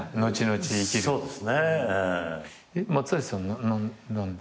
松橋さんは何で。